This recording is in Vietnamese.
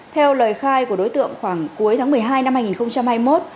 theo lời khai của đối tượng khoảng cuối tháng một mươi hai năm hai nghìn hai mươi một